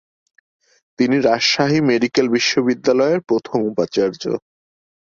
তিনি রাজশাহী মেডিকেল বিশ্ববিদ্যালয়ের প্রথম উপাচার্য।